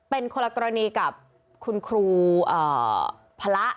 เป็นคนละกรณีกับคุณครูพระ